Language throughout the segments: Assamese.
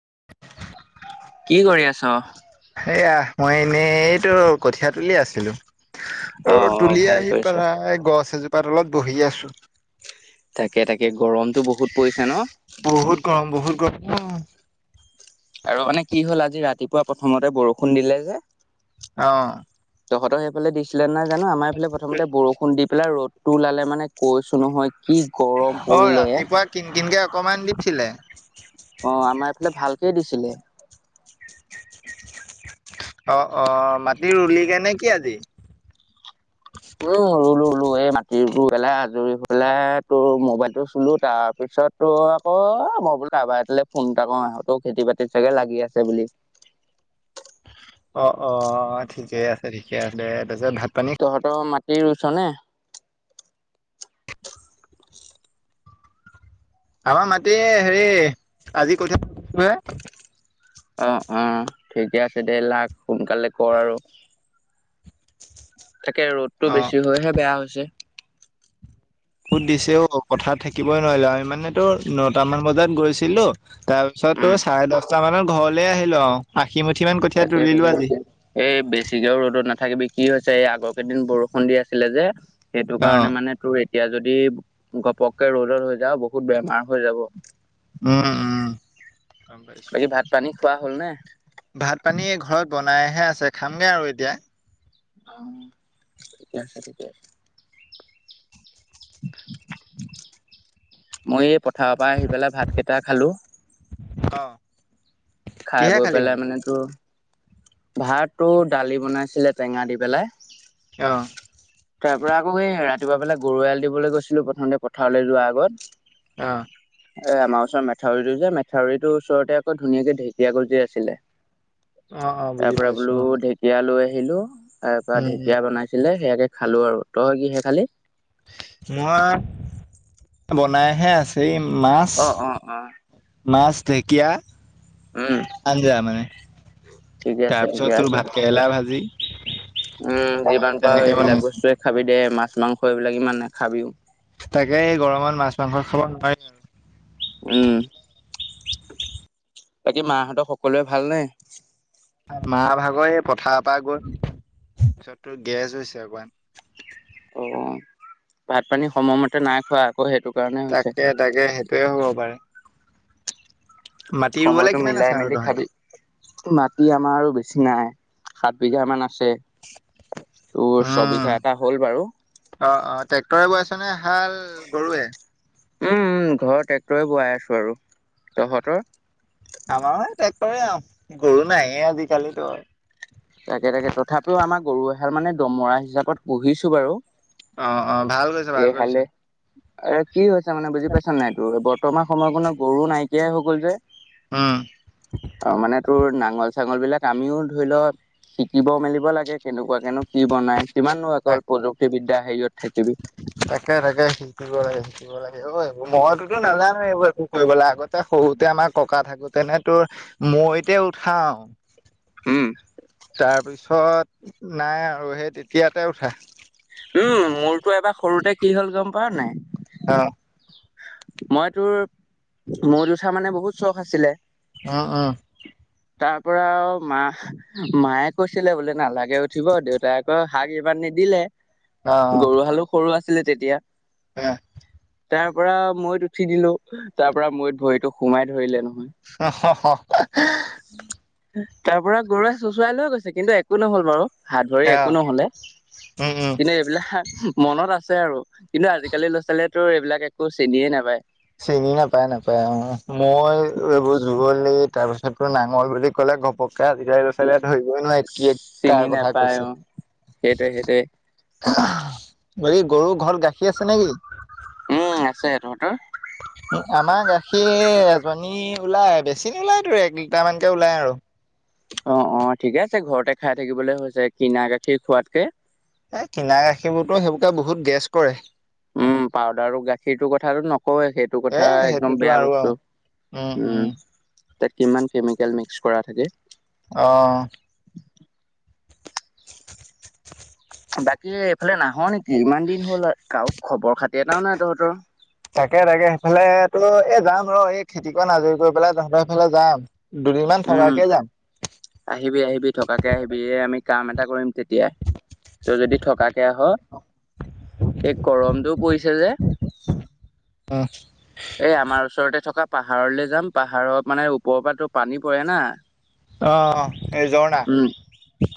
[unintelligible] কি কৰি আছ? এইয়া মই এনেই এইটো কঠীয়া তুলি আছিলোঁ। অ আৰু অ তুলি ভাল আহি কৰিছ। পেলায়, গছ এজোপাত তলত বহি আছোঁ। তাকে-তাকে গৰমতটো বহুত পৰিছে ন'। বহুত [unintelligible] আৰু মানে কি হ'ল আজি ৰাতিপুৱা প্ৰথমতে বৰষুণ দিলে যে। অহ। তহঁতৰ সেইফালে দিছিলে নাই জানোঁ। আমাৰ এইফালে প্ৰমতে বৰষুণ দি পেলাই ৰ'দতটো ওলালে মানে কৈছো নহয়। কি গৰম অহ, পৰিলে অ ৰাতিপুৱা কিন-কিনকে অকমান দিছিলে। অহ, আমাৰ এইফালে ভালকে দিছিলে। [unintelligible] অহ', অহ' মাটি ৰুলগে নেকি আজি? উম' ৰুলো-ৰুলো এই মাটি ৰুই পেলাই আজৰি হৈ পেলাই তোৰ মোবাইলটো চুলোঁ তাৰপিছত তোৰ আকৌ বোলো কাৰোবাৰ এটালৈ ফোন এটা কৰোঁ সিহঁতেও খেতি-বাতিত চাগে লাগি আছে বুলি। অহ', অহ' ঠিকেই আছে, ঠিকে আছে। তাৰপিছত ভাত পানী এই ৰৈছ নে আমাৰ মাটি হেৰি আজি কঠো হে অ অ ঠিকে আছে দে লাাক সোনকালে কৰ আৰু তাকে ৰ'দতটো অ বেছি হয়হে বেয়া হৈছে সুত দিছে অ কথা থাকিবই নোৱাৰিলো আমি মানে তো নটামান বজাত গৈছিলো তাৰপিছত তাৰছত তো উম চাৰে দহটা মানত ঘৰলে আহিলো অ তাকে তাকে এই বেছিিকেও ৰ'দো নাথ তথাকিবি কি হৈছে এই আগৰ কেইদিন বৰষুণ দি আছিলে যে সেইটো কাৰণে অ', মানে তোৰ এতিয়া যদি ঘপককে ৰ'দত হৈ যাওঁ বহুত বেমাৰ হৈ যাব উম উমাইছো বাকী ভাত পানী খোৱা হ'লনে ভাত পানী ঘৰত বনাইহে আছে খামগে আৰু এতিয়া অিকছেিক [inaudible] মই এই পথাৰৰ পৰা আহি পেলাই ভাত কেইটা খালো অ খাই কিহে বৈ খালি পেলাই ভাত? মানে তো ভাততটো দালি বনাইছিলে টেঙা দি পেলাই অ', তাৰ পৰা আকৌ এই ৰাতিপুৱা পেলাই গৰুৱাল দিবলৈ গৈছিলো প্ৰথমতে পথাৰলৈ যোৱা আগত। অ', এ আমাৰ ওচৰত মেথাউৰিটো যে মেথাউৰিটোৰ ওচৰতে আকৌ ধুনীয়াকে ঢেঁকীয়া গজি আছিলে। অ', অ', বুজি তাৰ পৰা পাইছোঁ বোলো অ'। ঢেকীয়া লৈ আহিলো তাৰ পৰা উম, উম, ঢেঁকিয়া বনাইছিলে সেয়াকে খালো আৰু তই কিহে খালি? মই বনাইহে আছে মাছ অ অ অ মাছ ঢেকীয়া উম আঞ্জা মানে ঠিকে আছে ঠিকে তাৰপিছতোৰ আছে। ভাত কেৰেলা ভাজি উম যিমান পাৰো তেনেকে এইবিলাক বনাইছে। বস্তুৱে খাবি দে মাছ মাংস এইবিলাক ইমান নাখাবিও তাকে এই গৰমত মাছ মাংস খাব নোৱাৰি আৰু উম বাকী মাহত সকলোৱে ভাল নে মাহ ভাগৰ এই পথাৰ পৰা গৈ পিছত তোৰ গেছ হৈছে অকমান অ ভাত পানী সময়মতে নাই খোৱা আকৌ সেইটো কাৰণে হৈছে। তাকে তাকে সেইটোয়ে হ'ব পাৰে মাটি ৰুবলৈ সময়টো কিমান আছে মিলাই আৰু মেলি তহঁতৰ? খাবি মাটি আমাৰ বেছি নাই সাত বিঘা মান আ ছে তোৰ উম। চবিঘা এটা হ'ল বাৰু অ অ [unintelligible] হাল গৰুৱে উম ঘৰৰ ট্ৰেক্টৰে বোৱাই আছো আৰু তহঁতৰ আমাৰেও ট্ৰেক্টৰে আও গৰু নাইয়ে আজিকালিতো তাকে তাকে তথাপিও আমাৰ গৰু এহাল মানে দমৰা হিচাপত পুহিছো বাৰু অ ভাল কৰিছে ভাল কৰিছে এহালে এ কি হৈছে মানে বুজি পাইছ নাই তোৰ বৰ বৰ্তমান সময়কণত গৰু নাইকিয়াই হৈ গ'ল যে উম অ মানে তোৰ নাঙল চাঙল বিলাক আমিও ধৰি ল শিকিব মেলিব লাগে। কেনেকুৱাকে নো কি বনায়? কিমাননো অকল তাক প্ৰযুক্তিবিদ্যা হেৰিয়ত থাকিবি। তাকে, তাকে, শিকিব লাগে। শিকিব লাগে ঐ। মইতোতো নাজানোৱে এইবোৰ একো কৰিবলে আগতে সৰুতে আমাক ককা থাকোতেনে তোৰ মৈতে উঠাও উম, তাৰপিছত ওচৰত নাই আৰু, সেই তেতিয়াতে উঠা। উম, মোৰতো এবাৰ সৰুতে কি হ'ল গম পাৱ নাই? অঁ। মই তোৰ মৈ'ত উঠা মানে বহুত চখ আছিলে। অ' অ'। তাৰ পৰা আৰু মা-মায়ে কৈছিলে বোলে নালাগে উঠিব, দেউতাই আকৌ হাগ কিবা নিদিলে, গৰু হালো সৰু আছিলে তেতিয়া। আহ। তাৰ পৰা মৈ'ত উঠি দিলোঁ, তাৰ পৰা মৈ'ত ভৰিতো সোমাই ধৰিলে নহ [unintelligible] তাৰ পৰা গৰুৱে চুচৰাই লৈ গৈছে, কিন্তু একো নহ'ল বাৰু! হাত ভৰি অ একো নহ'লে। উম উম কিন্তু এইবিলাক মনত আছে আৰু, কিন্তু আজিকালি ল'ৰা-ছোৱালীয়ে তোৰ এইবিলাক একো চিনিয়ে নাপায়। চিনি নাপায়, নাপায় অ'। মৈ, তোৰ এইবোৰ জুৱলি, তাৰ পিছত তোৰ নাঙল বুলি ক'লে ঘপক কে আজিকালি লৰা-ছোৱালী ধৰিবই নোৱাৰে। কি? চিনি কাৰ কথা নাপায় অ কৈছে? সেইটোৱে সেইটোৱে হেৰি গৰু ঘৰত গাখীৰ আছে নে কি? উম আছে, তহঁতৰ? আমাৰ গাখীৰ এজনীৰ ওলায়, বেছি নোলায় তোৰ এক লিটাৰ মানকে ওলাই আৰু। অ' অ' ঠিকে আছে ঘৰতে খাই থাকিবলে হৈছে, কিনা গাখীৰ খোৱাতকে। এ কিনা গাখীৰবোৰতো সেইবোৰে বহুত গেছ কৰে। উম, পাউদাৰৰ গাখীৰটোৰ কথাটো ন। হয় সেইটো এ কথা একদম সেইটোতো বেয়া আৰু বস্তু। উম তাত কিমান কেমিকেল মিক্স কৰা থাকে। অহ। [inaudible] বাকী এইফালে নাহ নেকি? ইমান দিন হ'ল কাৰো খবৰ খাতি এটাও নাই তহঁতৰ। তাকে, তাকে সেইফালে তোৰ এই যাম ৰ, এই খেতিকন আজৰি কৰি পেলাই তহঁতৰ সেইফালে যাম। দুদিনমান উম থকাকে যাম। আহিবি, আহিবি, থকাকে আহিবি। এই আমি কাম এটা কৰিম তেতিয়া। তই যদি থকাকে আহ, এই গৰমটো পৰিছে যে উম এই আমাৰ ওচৰতে থকা পাহাৰলৈ যাম। পাহাৰৰ মানে ওপৰৰ পৰা পানী পৰে না। অ এই ঝৰ্ণা উম,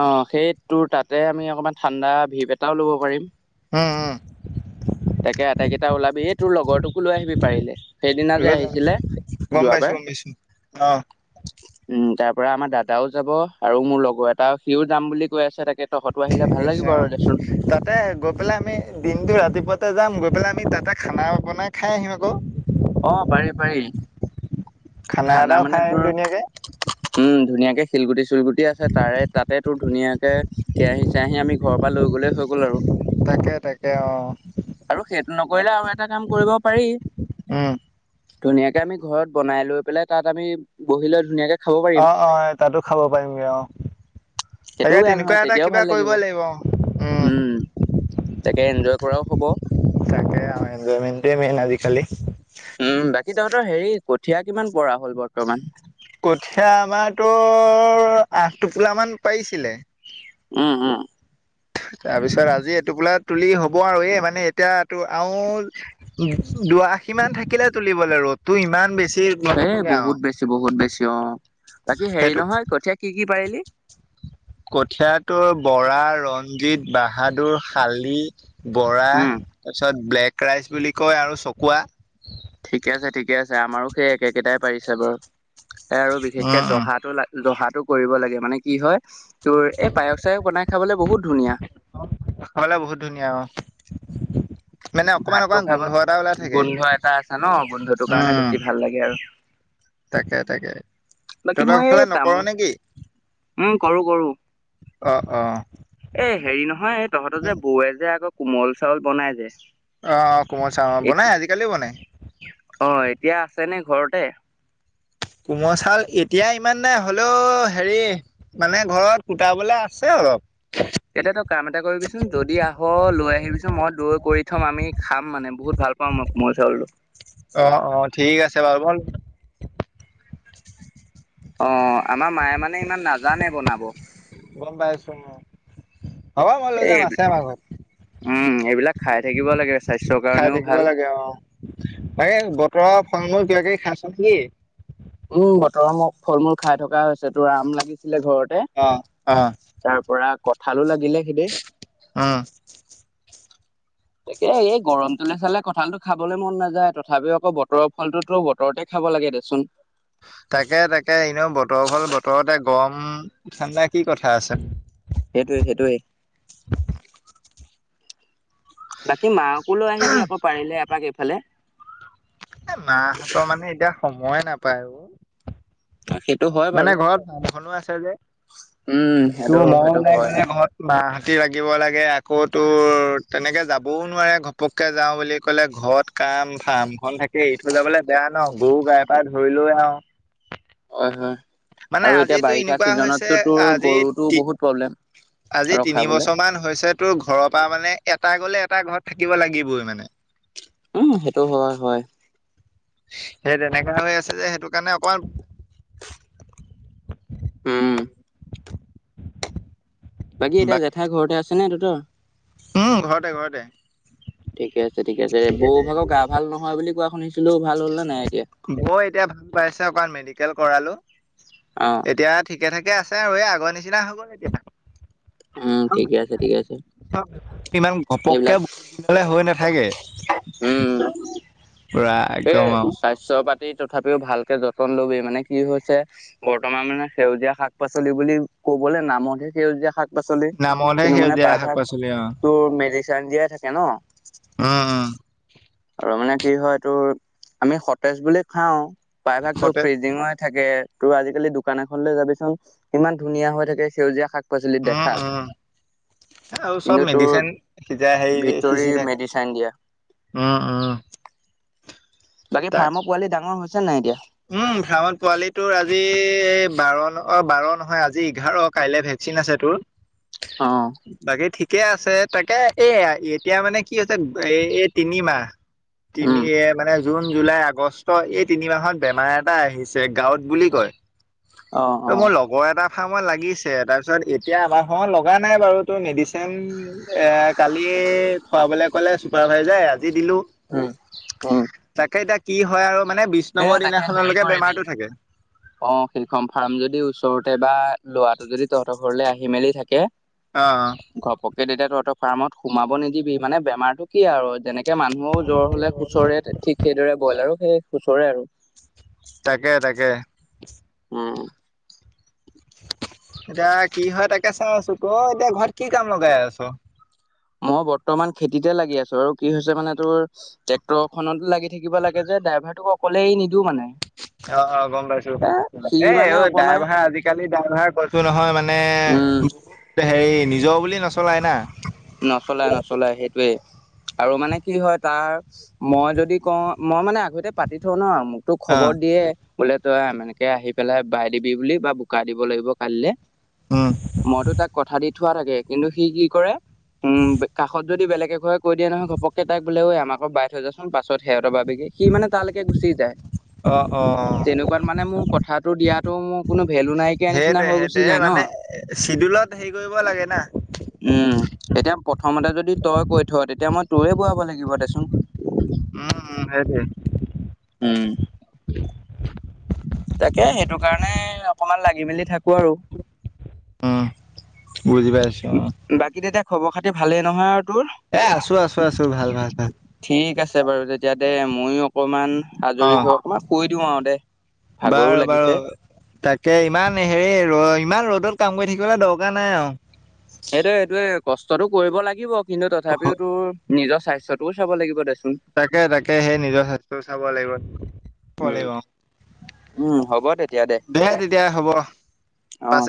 অ সেইট তোৰ তাতে আমি অকণমান ঠাণ্ডা ভিপ এটাও ল'ব পাৰিম। উম উম তাকে, আটাই কেইটা ওলাবি। তোৰ লগৰটোকো লৈ আহিবি পাৰিলে। সেইদিনা যে লৈ যাম আহিছিলে গম পাইছো যোৱাবাৰ। গম পাইছো অ উম তাৰ পৰা আমাৰ দাদাও যাব আৰু মোৰ লগৰ এটাও সিওঁ যাম বুলি কৈ আছে তাকে তহঁতো আহিলে ভাল ঠিকে আছে লাগিব অ, আৰু দেচোন তাতে গৈ পেলাই আমি দিনটো ৰাতিপুৱাতে যাম, গৈ পেলাই আমি তাতে খানা বনাই খাই আহিম আক। অ পাৰি, পাৰি। খানা এটাও মানে খাই আহিম তোৰ, ধুনীয়াকে উম ধুনীয়াকে শিলগুটি চিলগুটি আছে, তাৰে তাতে তোৰ ধুনীয়াকে কেৰাহী চেৰাহি আমি ঘৰৰ পৰা লৈ গ'লে হৈ গ'ল আৰু। তাকে তাকে অ আৰু সেইটো নকৰিলে আৰু এটা কাম কৰিব পাৰি। উম। ধুনীয়াকে আমি ঘৰত বনাই লৈ পেলাই তাত আমি বহি লৈ ধুনীয়াকে খাব পাৰিম অ' অ' তাতো খাব পাৰিমগৈ অ'। সেইটোও তাকে বেয়া তেনেকুৱা নহয় এটা তেতিয়াও কিবা ভাল কৰিব লাগিব উম'। তাকে এনজয় কৰাও হ'ব। তাকে এনজয়মেণ্টটো মেইন আজিকালি। উম বাকী তহঁতৰ হেৰি কঠীয়া কিমান পৰা হ'ল বৰ্তমান। কঠীয়া আমাৰ তো আঠ টোপোল মান পাৰিছিলে। উম উম তাৰ পিছত আজি এটোপোলাত তুলি হ'ব আৰু এই মানে এতিয়া তো আৰু দুআশী মান থাকিলে তুলিবলে আৰু। ৰ'দটো ইমান বেছি। এ নতুলিগে আৰু বহুত বেছি, বহুত বেছি অ' বাকী হেৰি সেইটো নহয় কঠীয়া কি কি পাৰিলি? কঠীয়াটোৰ বৰা, ৰঞ্জিত, বাহাদুৰ, শালি, বৰা। উম তাৰপিছত ব্লেক ৰাইচ বুলি কয় আৰু চকুৱা। ঠিকে আছে, ঠিকে আছে আমাৰো সেই একে কেইটাই পাৰিছে বাৰু। এ আৰু বিশেষকে উম উম জহাটো ল' জহাটো কৰিব লাগে মানে কি হয়। তোৰ এই পায়স-চায়স বনাই খাবলৈ বহুত ধুনীয়া। খাবলৈ বহুত ধুনীয়া অ'। মানে অকমান ভাতটো অকমান খাব গোন্ধ এটা ওলাই থাকে গোন্ধ এটা আছে ন গোন্ধটোৰ কাৰণে উম'। বেছি ভাল লাগে আৰু তাকে তাকে বাকী মই তহঁতৰ এই ফালে নকৰ তামোল নেকি? উম, কৰো কৰো অ অ অ এ হেৰি নহয় এই তহঁত যে বৌৱে যে আকৌ। কোমল চাউল বনাই যে। অ' অ' কোমল চাউল যে এ বনাই আজিকালি বনাই। অ' এতিয়া আছে নে ঘৰতে? কোমল চাউল এতিয়া ইমান নে হলেও হেৰি মানে ঘৰত কুটাবলে আছে অলপ এতিয়া তই কাম এটা কৰিবিচোন যদি আহ লৈ আহিবিচোন মই দৈ কৰি থম আমি খাম মানে বহুত ভাল পাওঁ মই কোমল চাউলটো অ অ ঠিক আছে বাৰু ভল অ আমাৰ মায়ে মানে ইমান নাজানে বনাব গম পাইছো অ'। হ'ব মই লৈ এই যাম আছে আমা ঘৰত উম এইবিলাক খাই থাকিব লাগে স্বাস্থ্যৰ কাৰণেও ভাল এই বতৰ ফল মূল কিবাকে খাইছ নেকি উম বতৰমখ ফল মূল খাই থকা হৈছে তোৰ আৰাম লাগিছে ঘৰতে অ', অ', তাৰ পৰা কঠালো লাগিল নিলেখিদী উম, তাকে এই গৰমটোলে চালে কঁঠালটো খাবলৈ মন নাযায় তথাপিও আকৌ বতৰৰ ফলটোতো বতৰতে খাই খাব লাগে দেচোন তাকে তাকে এনেও বতৰ হল বতৰতে গৰম ঠাণ্ডা কি কথা আছে সেইটোয়ে সেইটোৱে বাকী মকো লৈ আহিবি আকৌ পাৰিলে এপাক এইফালে মাহঁতৰ মানে এতিয়া সময়ে নাপায় ব সেইটো হয় মানে বাৰু ঘৰত ভাওখনো আছে যে উম সেইটো তোৰ মৰম সেইটো নাই হয় মানে ঘৰত মাহতি লাগিব লাগে আকৌতোৰ তেনেকৈ যাবও নোৱাৰে ঘপককৈ যাওঁ বুলি ক'লে ঘৰত কাম ফাৰ্মখন থাকে এই ইঠৈ যাবলৈ বেয়া ন গৰু গাই পা ধৰি লৈ আৰু হয় হয় মানে আৰু এতিয়া আজিতো বাৰিষা এনেকুৱা হৈছে চিজনতটো তোৰ আজি গৰুতো তি বহুত প্ৰব্লেম আজি তিনি ৰখাবলে। বছৰমানান হৈছে তোৰ ঘৰৰ পৰা মানে এটা গ'লে এটা ঘৰত থাকিব লাগিবই মানে উম সেইটো হয় হয় সেই তেনেককা হৈ আছে যে সেইটো কাৰণে অকমান উম বাকী এতিয়া জেঠাই ঘৰতে আছে ন তোহোতৰ উম ঘৰতে ঘৰতে ঠিকে আছে ঠিক আছে বৌ ভাগৰ গা ভাল নহয় বুলি কোৱা শুনিছিলো ভাল হ'ল নে নাই এতিয়া? বৌ এতিয়া ভাল পাইছে অকণ মেডিকেল কৰালো অ এতিয়া তেনেকে আছে আৰু এই আগৰ নিচিনা হ'ব নেকি আকৌ উম ঠিকে আছে ঠিকে আছে ইমান ঘপকে এইবিলাক হৈ নাথাকে উম পুৰা সেইয়ে একদম আৰু স্বাস্থ্য পাত তথাপিও ভালকে যতন লবি মানে কি হৈছে বৰ্তমান মানে সেউজীয়া শাক পাচলি বুলি ক'বলৈ নামতহে সেউজীয়া শাক শাক পাচলি নামতহে কিন্তু মানে সেউজীয়া শাক প্ৰায়ভাগ পাচলি অ তোৰ মেডিচিন দিয়াই থাকে ন উম উম আৰু মানে কি হয় তোৰ আমি সতেজ বুলি খাওঁ প্ৰায়ভাগ তো সতে ফ্ৰিজিঙই থাকে তোৰ আজিকালি দোকান এখন লৈ যাবিচোন ইমান ধুনীয়া হৈ থাকে সেউজীয়া শাক পচলি উম দেখাত উম আৰু চব কিন্তু তোৰ মেডিচিন সিজাই হেৰি ভিতৰি সিঁচি থাকে মেডিচাইন দিয়া উম উম [inaudible] বাকী তাক ফাৰ্মৰ পোৱালি ডাঙৰ হৈছে নাই এতিয়া উম [unintelligible] পোৱালিটোৰ আজি বাৰত অ বাৰ নহয় আজি এঘাৰ কাইলৈ ভেকচিন আছে তোৰ অ কে আছে তাকে এ এতিয়া মানে কি হৈছে এ এই তিনিমাহ তিনি উম এ মানে জুন জুলাই আগষ্ট এই তিনিমাহত বেমাৰ এটা আহিছে [unintelligible] বুলি কয় অ ত অ মোৰ লগৰ এটা লাগিছে তাৰপিছত এতিয়া আমাৰ হ লগা নাই বাৰু তোৰ মেডিচিন এ কালি খোৱাবলে ক'লে চুপাৰভাইজাই উম-উম, তাকে এতিয়া কি হয় আৰু। মানে বিশ এ নম্বৰ তাকে হেৰি দিনাখনলৈকে কৰিবি বেমাৰটো থাকে অ শিলখন ফাৰ্ম যদি ওচৰত টে বা লৰাটো যদি তহঁতৰ ঘৰলৈ আহি মেলি থাকে। অহ, ত তেয়া তহতৰ ফাৰ্মত সোমাব নিদিবি মানে বেমাৰটো কি আৰু যেনেকে। মানুহোও জ্বৰ হলে সুচৰে ঠিক সেইদৰে বইল আৰু সেই সুচৰে আৰু। তাকে-তাকে। উম, এতিয়া কি হয় তাকে চাই আছো ক এতিয়া ঘৰত কি কাম লগাই আছ। মই বৰ্তমান খেতিতে লাগি আছো আৰু কি হৈছে মানে তোৰ ট্ৰেক্টৰ খনত লাগি থাকিব লাগে যে। ড্ৰাইভাৰটোক অকলেই নিদো মানে। অ-অ গম পাইছোছ এ সি এই মানে অ' অকমান ড্ৰাইভাৰ আজিকালি ড্ৰাইভাৰ কৈছো নহয় মানে উম বহুত। হেৰি নিজৰ বুলি নচলাই না। নচলাই-নচলাই সেইটোৱে। আৰু মানে কি হয় তাৰ মই যদি কওঁ মই মানে আগতে পাতি থওঁ ন আৰু মোক। তো অ খবৰ দিয়ে বোলে তই একে আহি পেলাই বাই দিবি বুলি বা বোকা দিব লাগিব কালিলে। উম মইতো তাক কথা দি থোৱা থাকে কিন্তু সি কি কৰে। উম কাষত যদি বেলেকে ঘৰে কৈ দিয়া নহয় ঘপকে তাক বোলে ঐ আমাক বাই থৈ যাচোন পাছত হে। টেবা সি মানে তালৈকে গুচি যায় অ অ তেনেকুৱাত মানে মোৰ কথাাতটো দিয়াতো মোৰ কোনো ভেলু নাইকিয়া নিচিনা সেইটোৱে হৈ গুচি সেইটোৱে যায় ন। মানে চিডুলত হেৰি কৰিব লাগে না। উম, এতিয়া প্ৰথমতে যদি তই কৈ থ তেতিয়া মই তোৰেই বনাব লাগিব দেচোন। হয়। উম, তাকে সেইটো কাৰণে অকমান লাগে। আহি মেলি থাকো আৰু। উম, বুজি পাইছো অ', বাকী তেতিয়া খবৰ খাতি ভালেই নহয় আৰু তোৰ এ আছো আছো আছো ভাল ভাল ভাল ঠিক আছে বাৰু তেতিয়া। দে মইো অকমান আজৰি হৈ অকণমান কৈ দিওঁ আৰু দে। ভাগৰো বাৰু-বাৰু লাগিছে তাকে ইমান হেৰি ৰ ইমান ৰ'দত কাম কৰি থাকিবলৈ দৰকাৰ নাই আৰু এইটোয়ে এইটোয়ে কষ্টতটো কৰিব লাগিব কিন্তু তথাপিও তোৰ, নিজৰ স্বাস্থ্যটোও চাব লাগিব দে। তাকে তাকে সেই নিজৰ স্বাস্থ্য চাব লাগিব লাগিব। উম হ'ব তেতিয়া দে তেতিয়া হ'ব। অ পাছত